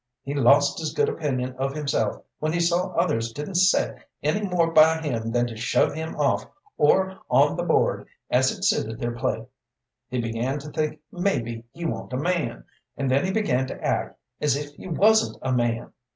He lost his good opinion of himself when he saw others didn't set any more by him than to shove him off or on the board as it suited their play. He began to think maybe he wa'n't a man, and then he began to act as if he wasn't a man.